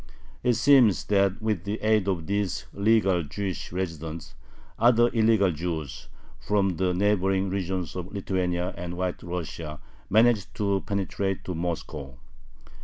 It seems that with the aid of these "legal" Jewish residents other "illegal" Jews, from the neighboring regions of Lithuania and White Russia, managed to penetrate to Moscow.